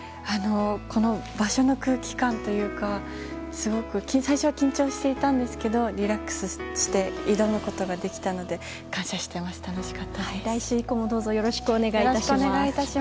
この場所の空気感というか最初は緊張していたんですけどリラックスして挑むことができたので来週以降もどうぞよろしくお願いします。